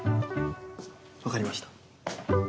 分かりました。